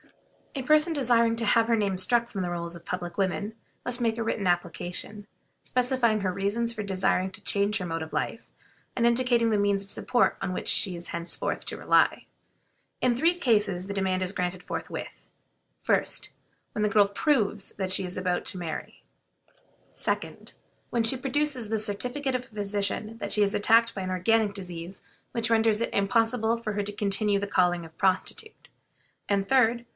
A person desiring to have her name struck from the rolls of public women must make a written application, specifying her reasons for desiring to change her mode of life, and indicating the means of support on which she is henceforth to rely. In three cases the demand is granted forthwith: 1st. When the girl proves that she is about to marry; 2d. When she produces the certificate of a physician that she is attacked by an organic disease which renders it impossible for her to continue the calling of a prostitute; and, 3d.